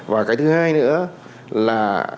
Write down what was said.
và cái thứ hai nữa